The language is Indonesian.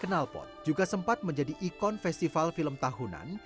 kenalpot juga sempat menjadi ikon festival film tahunan